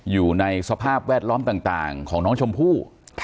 อยู่ในสภาพแวดล้อมต่างของน้องชมพู่